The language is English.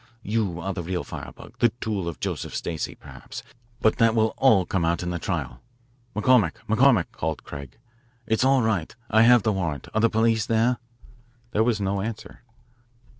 You are the real firebug, the tool of Joseph Stacey, perhaps, but that will all come out in the trial. McCormick, McCormick," called Craig, "it's all right. I have the warrant. Are the police there?" There was no answer.